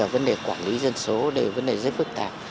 vấn đề quản lý dân số đây là vấn đề rất phức tạp